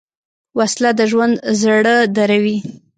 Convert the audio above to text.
وسله د ژوند زړه دروي